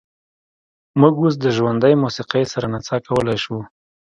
موږ اوس د ژوندۍ موسیقۍ سره نڅا کولی شو